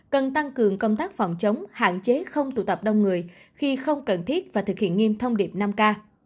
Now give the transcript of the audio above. cần tăng cường công tác phòng chống hạn chế không tụ tập đông người khi không cần thiết và thực hiện nghiêm thông điệp năm k